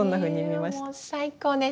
えもう最高です。